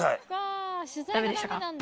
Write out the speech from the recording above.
ダメでしたか。